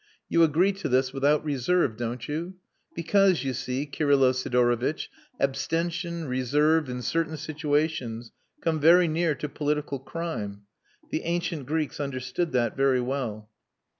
You agree to this without reserve, don't you? Because, you see, Kirylo Sidorovitch, abstention, reserve, in certain situations, come very near to political crime. The ancient Greeks understood that very well."